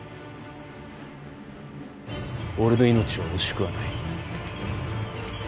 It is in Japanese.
俺の命は惜しくはない。